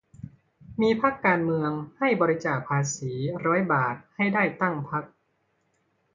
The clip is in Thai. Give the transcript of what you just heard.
มีพรรคการเมืองให้บริจาคภาษีร้อยบาทให้ได้ตั้ง พรรค